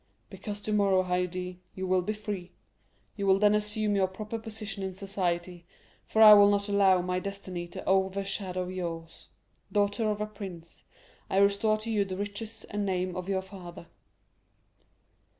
"Because tomorrow, Haydée, you will be free; you will then assume your proper position in society, for I will not allow my destiny to overshadow yours. Daughter of a prince, I restore to you the riches and name of your father."